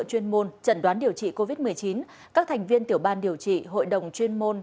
chuyên môn trần đoán điều trị covid một mươi chín các thành viên tiểu ban điều trị hội đồng chuyên môn